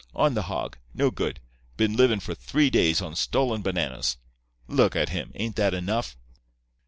'On the hog. No good. Been livin' for three days on stolen bananas. Look at him. Ain't that enough?